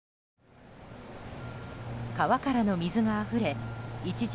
川からの水があふれ一時